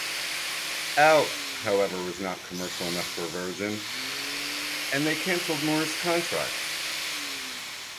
"Out", however, was not commercial enough for Virgin, and they cancelled Moore's contract.